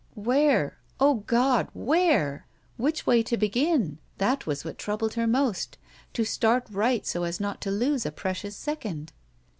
Where? O God! Where? Which way to begin? That was what troubled her most. To start right so as not to lose a precious second.